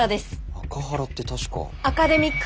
アカハラって確か。